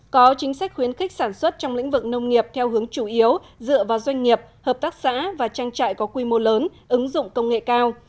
có chính sách khuyến khích sản xuất trong lĩnh vực nông nghiệp theo hướng chủ yếu dựa vào doanh nghiệp hợp tác xã và trang trại có quy mô lớn ứng dụng công nghệ cao